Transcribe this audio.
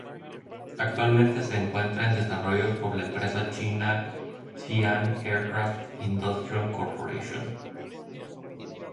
Actualmente se encuentra en desarrollo por la empresa china Xi'an Aircraft Industrial Corporation.